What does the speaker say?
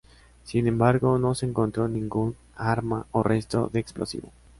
Sin embargo, no se encontró ningún arma o resto de explosivo.